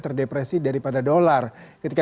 terdepresi daripada dolar ketika